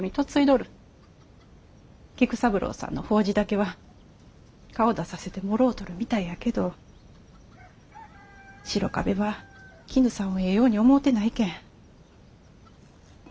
菊三郎さんの法事だけは顔出させてもろうとるみたいやけど白壁はキヌさんをええように思うてないけん。